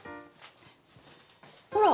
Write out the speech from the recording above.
ほら！